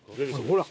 ほら。